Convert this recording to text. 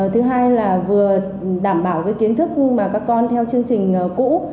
thứ hai là vừa đảm bảo cái kiến thức mà các con theo chương trình cũ